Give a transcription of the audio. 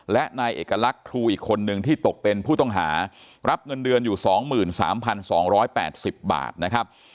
และนายเอกลักษณ์ครูอีกคนนึงที่ตกเป็นผู้ต้องหารับเงินเดือนอยู่๒๓๒๘๐บาทนะครับ